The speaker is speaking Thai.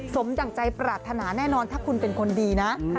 สมจักรใจปรารถนาแน่นอนได้ถ้าคุณเป็นคนดี